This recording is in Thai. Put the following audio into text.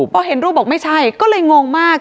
พอเห็นรูปบอกไม่ใช่ก็เลยงงมาก